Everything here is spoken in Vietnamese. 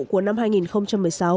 của năm hai nghìn một mươi sáu